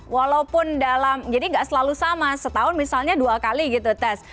walaupun dalam jadi nggak selalu sama setahun misalnya dua kali gitu tes